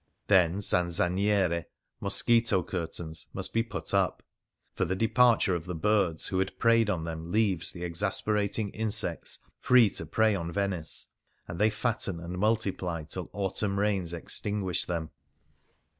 Then zanzanieri (mosquito curtains) must be put up. For the departure of the birds who had preyed on them leaves the exasperating insects free to prey on Venice, and they fatten and multiply till autumn rains extinguish them.